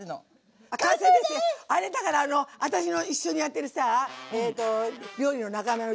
あれだからあの私の一緒にやってるさ料理の仲間うちの坊やがね